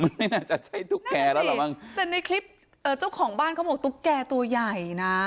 ไม่น่าจะใช่ตุ๊กแก่แล้วเหรอมั้งแต่ในคลิปเอ่อเจ้าของบ้านเขาบอกตุ๊กแก่ตัวใหญ่นะ